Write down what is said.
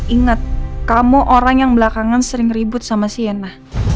ingat kamu orang yang belakangan sering ribut sama siena